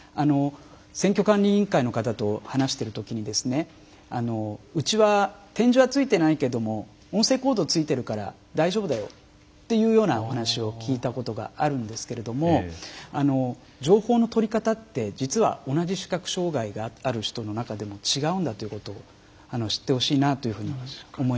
選挙管理委員会の方と話してる時にうちは点字はついていないけども音声コードついてるから大丈夫だよっていうようなお話を聞いたことがあるんですけれども情報の取り方って実は同じ視覚障害がある人の中でも違うんだということを知ってほしいなというふうに思いますね。